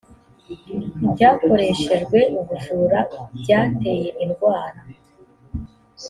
ibyakoreshejwe ubujura byateye indwara